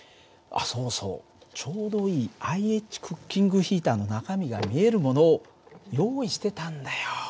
あっそうそうちょうどいいＩＨクッキングヒーターの中身が見えるものを用意してたんだよ。